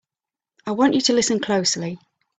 I want you to listen closely!